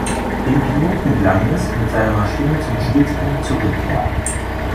Dem Piloten gelang es, mit seiner Maschine zum Stützpunkt zurückkehren.